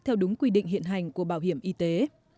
theo đúng quy định hiện hành của bảo hiểm y tế